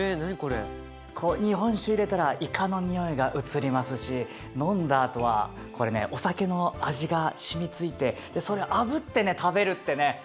日本酒入れたらイカのにおいが移りますし飲んだあとはこれねお酒の味が染みついてそれあぶってね食べるってね